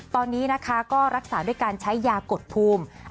ตอนนี้นะคะก็รักษาด้วยการใช้ยากดภูมิ